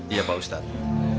iya pak ustadz